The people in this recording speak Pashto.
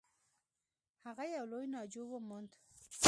هغه یو لوی ناجو و موند.